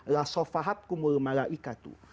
la sofahat kumul malaikatu